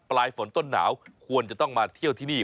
ปลายฝนต้นหนาวควรจะต้องมาเที่ยวที่นี่